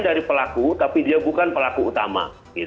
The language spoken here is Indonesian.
dari pelaku tapi dia bukan pelaku utama